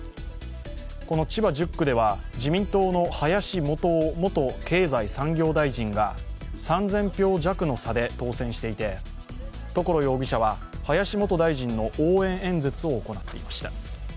この千葉１０区では自民党の林幹雄元経済産業大臣が３０００票弱の差で当選していて所容疑者は、林元大臣の応援演説を行っていました。